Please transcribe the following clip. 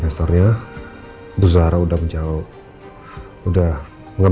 silahkan mbak mbak